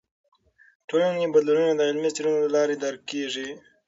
ټولنې بدلونونه د علمي څیړنو له لارې درک کیږي.